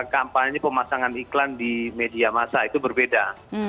dan kampanye pemasangan iklan di media massa itu berbeda